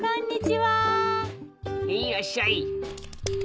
へいらっしゃい！